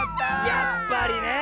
やっぱりねえ。